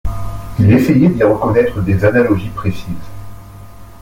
Il essayait d'y reconnaître des analogies précises.